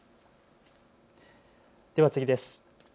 では次です。